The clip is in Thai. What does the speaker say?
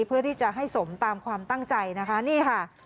เพื่อที่จะให้สมตามความตั้งใจนะคะนี่ค่ะ